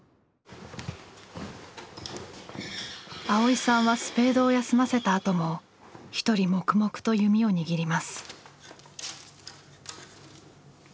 蒼依さんはスペードを休ませたあとも一人黙々と弓を握ります。